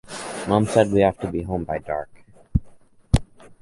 Mum said we have to be home by dark.